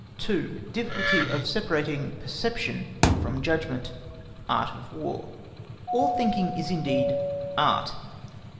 2. DIFFICULTY OF SEPARATING PERCEPTION FROM JUDGMENT. (ART OF WAR.) All thinking is indeed Art.